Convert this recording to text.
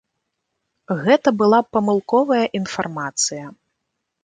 Гэта была памылковая інфармацыя.